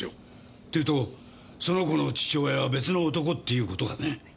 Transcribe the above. っていうとその子の父親は別の男っていうことかね。